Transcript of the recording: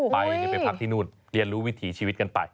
ไปไปพักที่นู่นเรียนรู้วิถีชีวิตกันไป